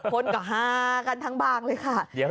คนก็ฮากันทั้งบางเลยค่ะ